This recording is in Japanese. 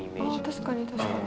確かに確かに。